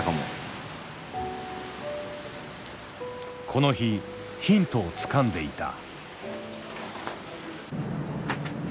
この日ヒントをつかんでいた。